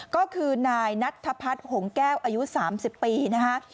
ก็คือนายนัทธพัฒน์หงแก้วอายุ๓๐ปีนะคะ